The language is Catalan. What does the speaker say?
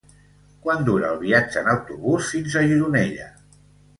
Quant dura el viatge en autobús fins a Gironella?